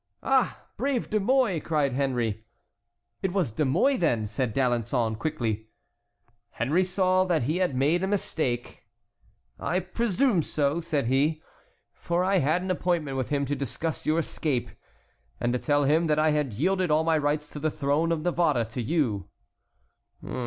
"Ah! brave De Mouy!" cried Henry. "It was De Mouy, then?" said D'Alençon, quickly. Henry saw that he had made a mistake. "I presume so," said he, "for I had an appointment with him to discuss your escape, and to tell him that I had yielded all my rights to the throne of Navarre to you."